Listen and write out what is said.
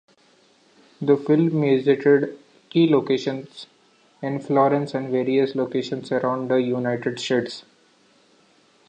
The film visited key locations in Florence and various locations around the United States.